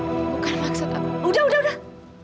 bukan maksud aku udah udah udah